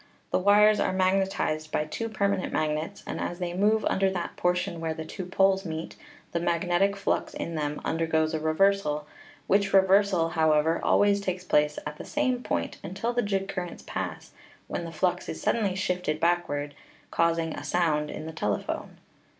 The wires are magnetized by two permanent magnets, and as they move under that portion where the two poles meet, the magnetic flux in them undergoes a reversal, which reversal, however, al ways takes place at the same point until the jig currents pass, when the flux is suddenly shifted backward, causing a sound in the telephone.